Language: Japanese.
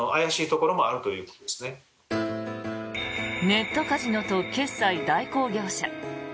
ネットカジノと決済代行業者。